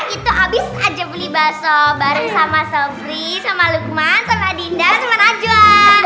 itu abis aja beli baso bareng sama sebrie sama lukman sama dinda sama najwa